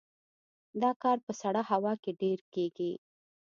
دا کار په سړه هوا کې ډیر کیږي